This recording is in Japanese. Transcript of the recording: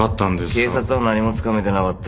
警察は何もつかめてなかったよ。